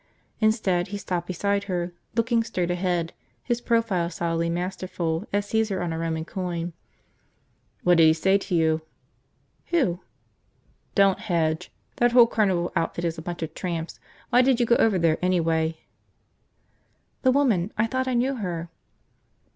Instead he stopped beside her, looking straight ahead, his profile solidly masterful as Caesar on a Roman coin. "What did he say to you?" "Who?" "Don't hedge. That whole carnival outfit is a bunch of tramps! Why did you go over there, anyway?" "The woman. I thought I knew her."